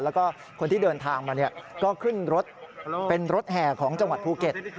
แล้วก็คนที่เดินทางมาก็ขึ้นรถเป็นรถแห่ของจังหวัดภูเก็ต